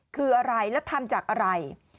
คืออะไรและทำจากอะไร